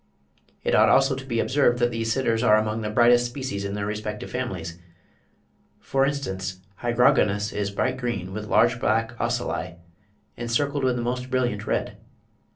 It ought also to be observed that these sitters are among the brightest species in their respective families; for instance, Hygrogonus is bright green, with large black ocelli, encircled with the most brilliant red."